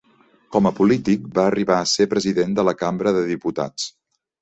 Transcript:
Com a polític va arribar a ser president de la cambra de diputats.